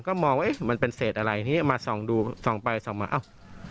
ก็มองว่ามันเป็นเศษอะไรทีนี้มาส่องดูส่องไปส่องมาเอ้า